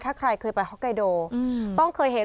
ถ้าใครเคยไปฮอกไกโดต้องเคยเห็น